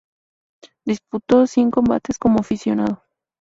Disputó cien combates como aficionado.